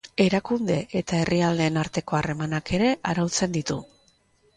Erakunde eta herrialdeen arteko harremanak ere arautzen ditu.